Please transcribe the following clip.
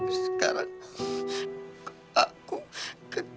aku udah terlalu lama hilang